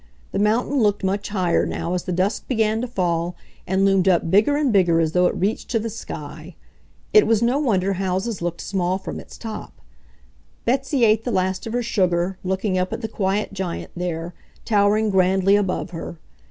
The mountain looked much higher now as the dusk began to fall, and loomed up bigger and bigger as though it reached to the sky. It was no wonder houses looked small from its top. Betsy ate the last of her sugar, looking up at the quiet giant there, towering grandly above her.